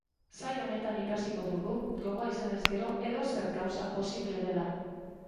Saio honetan ikasiko dugu, gogoa izanez gero edozer gauza posible dela.